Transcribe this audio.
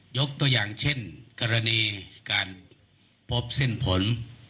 ยกตัวอย่างเช่นกรณีการพบเส้นผล